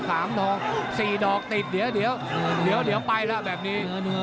ฆ่าตัวไม่มีธรรมบมรุ่น